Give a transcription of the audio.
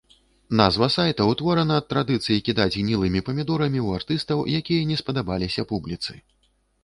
Назва сайта ўтворана ад традыцыі кідаць гнілымі памідорамі ў артыстаў, якія не спадабаліся публіцы.